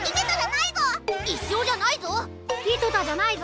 いしおじゃないぞ！